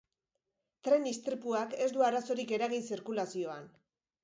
Tren istripuak ez du arazorik eragin zirkulazioan.